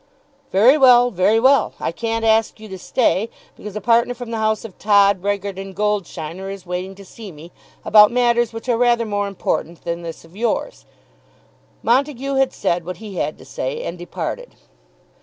"Very well; very well. I can't ask you to stay, because a partner from the house of Todd, Brehgert, and Goldsheiner is waiting to see me, about matters which are rather more important than this of yours." Montague had said what he had to say, and departed.